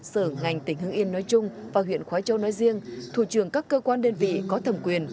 sở ngành tỉnh hưng yên nói chung và huyện khói châu nói riêng thủ trường các cơ quan đơn vị có thẩm quyền